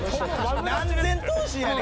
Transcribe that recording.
「何千頭身やねん！